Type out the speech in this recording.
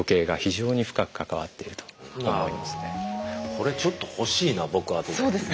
これちょっと欲しいな僕あとで。